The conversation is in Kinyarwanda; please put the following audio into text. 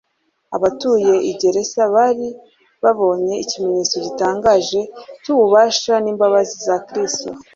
Abatuye i Gerasa bari babonye ikimenyetso gitangaje cy'ububasha n'imbabazi za Kristo.